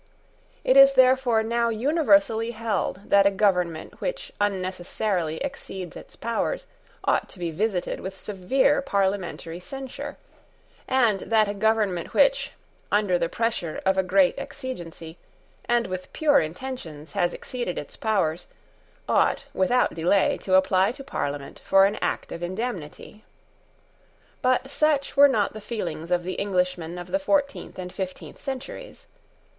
It is therefore now universally held that a government which unnecessarily exceeds its powers ought to be visited with severe parliamentary censure, and that a government which, under the pressure of a great exigency, and with pure intentions, has exceeded its powers, ought without delay to apply to Parliament for an act of indemnity. But such were not the feelings of the Englishmen of the fourteenth and fifteenth centuries.